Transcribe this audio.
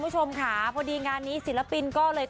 หล่อใช่ไหมโอ้ยได้จับคุณเต้ย